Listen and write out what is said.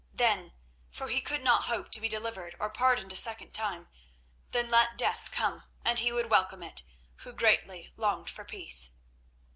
Then—for he could not hope to be believed or pardoned a second time—then let death come, and he would welcome it, who greatly longed for peace.